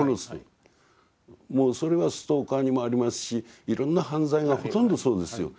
もうそれはストーカーにもありますしいろんな犯罪がほとんどそうですよ。